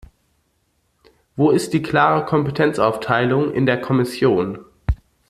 Wo ist die klare Kompetenzaufteilung in der Kommission?